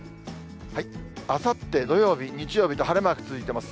あさって土曜日、日曜日と晴れマークついてます。